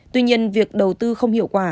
tuy nhiên việc đầu tư không hiệu quả